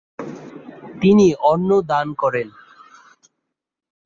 তিনি অন্ন দান করেন।